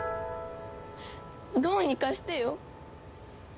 どうにかしてよ！